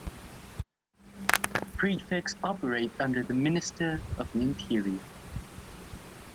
Prefects operate under the Minister of the Interior.